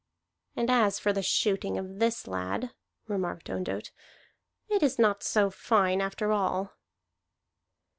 "And as for the shooting of this lad," remarked Ondott, "it is not so fine after all."